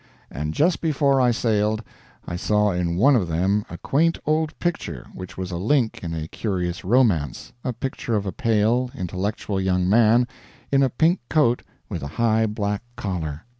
And just before I sailed I saw in one of them a quaint old picture which was a link in a curious romance a picture of a pale, intellectual young man in a pink coat with a high black collar.